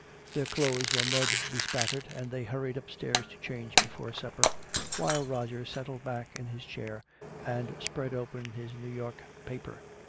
Their clothes were mud bespattered and they hurried upstairs to change before supper, while Roger settled back in his chair and spread open his New York paper.